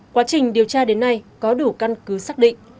quá trình điều tra đến nay có đủ căn cứ xác định